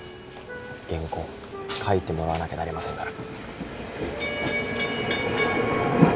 原稿書いてもらわなきゃなりませんから。